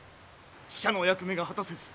使者のお役目が果たせず。